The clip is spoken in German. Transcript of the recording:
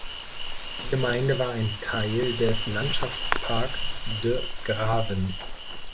Die Gemeinde war ein Teil des Landschaftsparks „De Graven“.